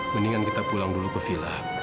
mendingan kita pulang dulu ke villa